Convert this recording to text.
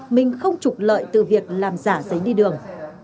mình không trục lợi từ việc làm giả giấy đi đường